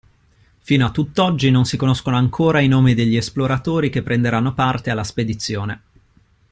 Fino a tutt'oggi non si conoscono ancora i nomi degli esploratori che prenderanno parte alla spedizione.